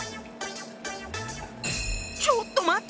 ちょっと待って。